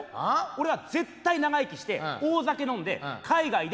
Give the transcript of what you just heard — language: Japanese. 俺は絶対長生きして大酒飲んで海外で認められてみせる。